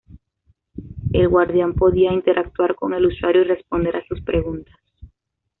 El guardián, podía interactuar con el usuario y responder a sus preguntas.